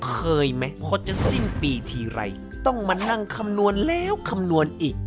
เคยไหมเพราะจะสิ้นปีทีไรต้องมานั่งคำนวณแล้วคำนวณอีก